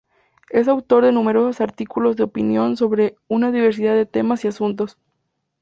Es autor de numerosos artículos de opinión sobre una diversidad de temas y asuntos.